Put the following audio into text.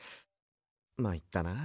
まいったな。